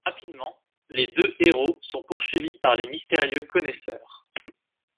Rapidement les deux héros sont poursuivis par les mystérieux Connaisseurs...